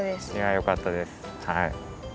いやよかったですはい。